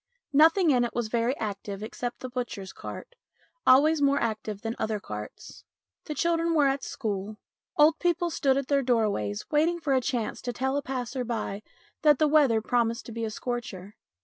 Nothing in it was very active except the butcher's cart, always more active than other carts. The children were at school. Old people stood at their doors waiting for a chance to tell a passer by that the weather promised to be a scorcher.